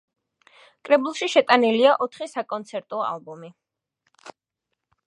კრებულში შეტანილია ოთხი საკონცერტო ალბომი.